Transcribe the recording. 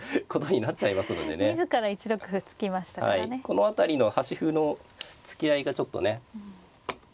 この辺りの端歩の突き合いがちょっとね。